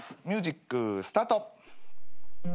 ミュージックスタート。